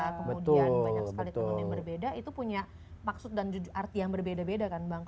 kemudian banyak sekali teman yang berbeda itu punya maksud dan arti yang berbeda beda kan bang